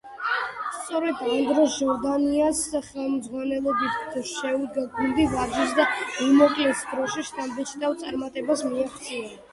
სწორედ ანდრო ჟორდანიას ხელმძღვანელობით შეუდგა გუნდი ვარჯიშს და უმოკლეს დროში შთამბეჭდავ წარმატებებსაც მიაღწია.